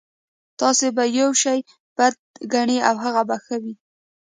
تاسې به يو شی بد ګڼئ او هغه به ښه وي.